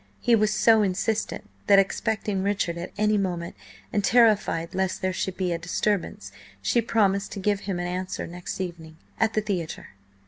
He was so insistent that, expecting Richard at any moment, and terrified lest there should be a disturbance, she promised to give him an answer next evening, at the theatre.